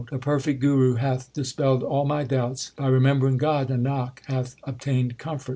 The perfect Guru hath dispelled all my doubts. By remembering God, Nanak hath obtained comfort.